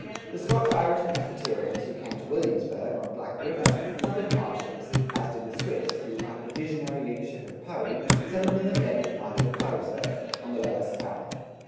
The Scotch Irish Presbyterians who came to Williamsburg, on Black River, suffered hardships; as did the Swiss who, under the visionary leadership of Purry, settled in the deadly climate of Purrysburg, on the lower Savannah.